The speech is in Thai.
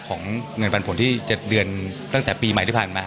ของเงินปันผลที่๗เดือนตั้งแต่ปีใหม่ที่ผ่านมา